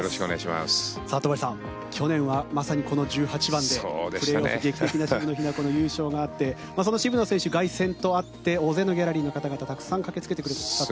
戸張さん、去年はまさにこの１８番でプレーオフ劇的な渋野日向子の優勝があってその渋野選手、凱旋とあって大勢のギャラリーの方々たくさんかけてくださいました。